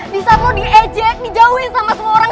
disaat lo diejek dijauhin sama semua orang